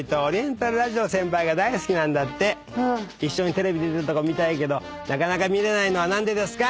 「一緒にテレビ出てるとこ見たいけど見れないのは何でですか？」